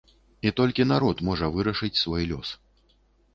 І толькі народ можа вырашыць свой лёс.